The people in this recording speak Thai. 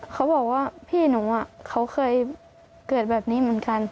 เขาบอกว่าพี่หนูเขาเคยเกิดแบบนี้เหมือนกัน